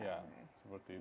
ya seperti itu